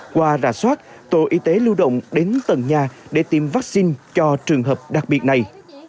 qua rà soát tổ y tế lưu động đến tầng nhà để tiêm vaccine cho trường hợp đặc biệt này